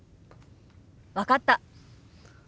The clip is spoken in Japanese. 分かった。